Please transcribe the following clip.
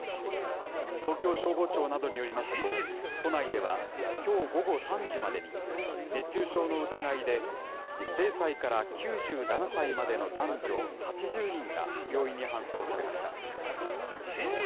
東京消防庁などによりますと、都内ではきょう午後３時までに、熱中症の疑いで、０歳から９７歳までの男女８０人が病院に搬送されました。